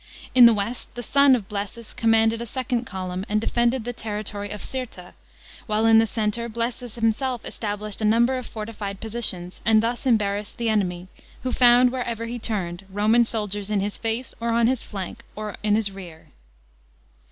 In the west, the son of Blsesus commanded a second column, and defended the territory of Cirta; while in the centre Blsesus himself established a number of fortified positions, and thus embarrassed the enemy, who found, wherever lie turned, Roman soldiers in his lace, or on his flank, or in MB rear.